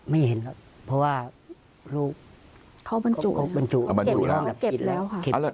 ไม่เห็นครับเพราะว่าลูกเขาบรรจุเขาเก็บแล้วค่ะ